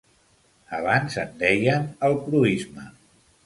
Abans en deien el proïsme.